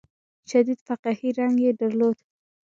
شدید فقهي رنګ یې درلود.